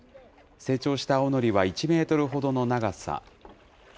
成長した青のりは１メートルほどの長さ。